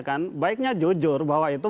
kan baiknya jujur bahwa itu